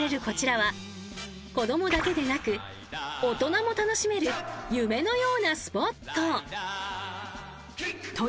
こちらは子供だけでなく大人も楽しめる夢のようなスポット。